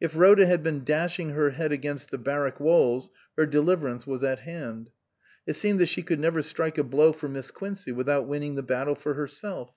If Ehoda had been dashing her head against the barrack walls her deliverance was at hand. It seemed that she could never strike a blow for Miss Quincey without winning the battle for her self.